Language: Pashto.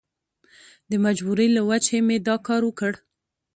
د مجبورۍ له وجهې مې دا کار وکړ.